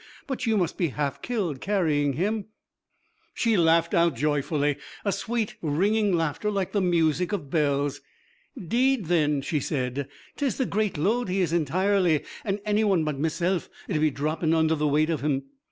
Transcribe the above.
'But you must be half killed carrying him.' She laughed out joyfully, a sweet ringing laughter like the music of bells. 'Deed then,' she said, ''tis the great load he is entirely, an' any wan but meself 'ud be droppin' under the weight of him.